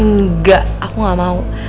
nggak aku nggak mau